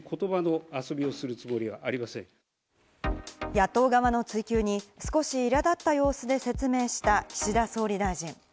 野党側の追及に少し、いらだった様子で説明した岸田総理大臣。